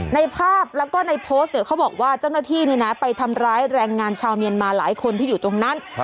ในภาพแล้วก็ในโพสต์เนี่ยเขาบอกว่าเจ้าหน้าที่ไปทำร้ายแรงงานชาวเมียนมาหลายคนที่อยู่ตรงนั้น